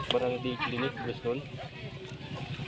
berada di klinik